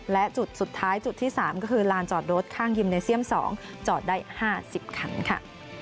และจุดสุดท้ายจุดที่๓ก็คือลานจอดรถข้างยิมเนเซียม๒จอดได้๕๐คันค่ะ